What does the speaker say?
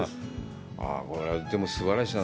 これはでも、すばらしいな。